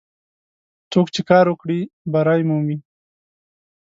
څوک چې کار وکړي، بری مومي.